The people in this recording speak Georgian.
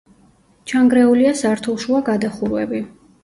ჩანგრეულია სართულშუა გადახურვები.